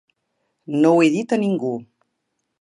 No ho he dit a ningú.